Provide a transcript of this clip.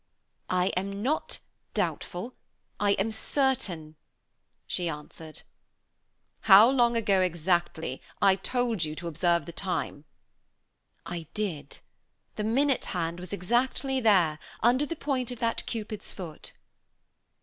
"I am not doubtful, I am certain," she answered. "How long ago, exactly? I told you to observe the time." "I did; the minute hand was exactly there, under the point of that Cupid's foot."